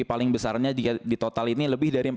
paling besarnya jika di total ini lebih dari